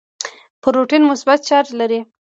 پروټون مثبت چارج لري.